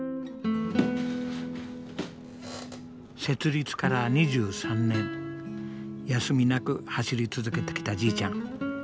設立から２３年休みなく走り続けてきたじいちゃん。